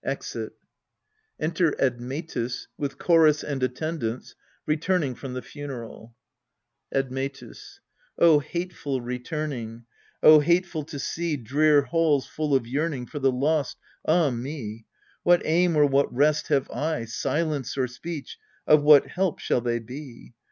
[Exit. Enter ADMETUS, with CHORUS and ATTENDANTS, return ing from the funeral Admetus. Oh, hateful returning! Oh, hateful to see Drear halls full of yearning For the lost ah me ! What aim or what rest have I ? silence or speech, of what help shall they be?